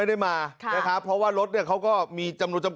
คิดถึงท่านนะครับ